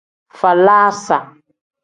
Falaasa.